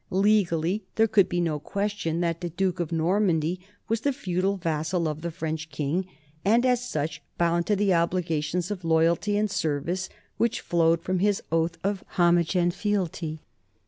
Legally there could be no question that the duke of Normandy was the feudal vassal of the French king and as such bound to the obli gations of loyalty and service which flowed from his oath of homage and fealty.